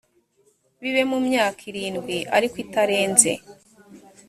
bibe mumyaka irindwi ariko itarenze